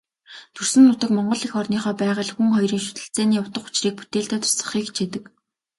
Төрсөн нутаг, Монгол эх орныхоо байгаль, хүн хоёрын шүтэлцээний утга учрыг бүтээлдээ тусгахыг хичээдэг.